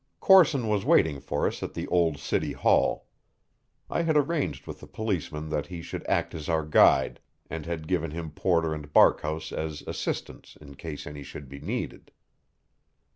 Corson was waiting for us at the old City Hall. I had arranged with the policeman that he should act as our guide, and had given him Porter and Barkhouse as assistants in case any should be needed.